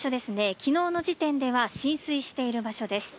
昨日の時点では浸水している場所です。